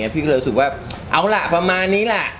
พี่ก็เลยรู้สึกว่าเอาล่ะประมาณนี้แหละ